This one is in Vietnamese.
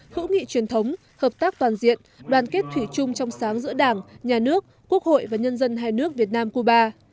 hữu nghị truyền thống hợp tác toàn diện đoàn kết thủy chung trong sáng giữa đảng nhà nước quốc hội và nhân dân hai nước việt nam cuba